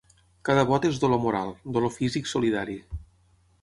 Cada vot és dolor moral, dolor físic solidari.